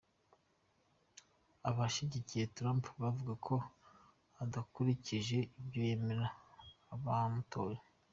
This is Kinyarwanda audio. Abashigikiye Trump bavuga ko adakurikije ivyo yemereye abamutoye.